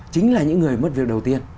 chính là những người mất việc đầu tiên